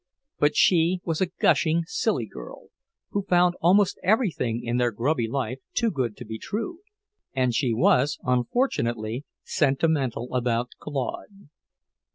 But she was a gushing, silly girl, who found almost everything in their grubby life too good to be true; and she was, unfortunately, sentimental about Claude.